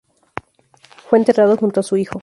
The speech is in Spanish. Fue enterrado junto a su hijo.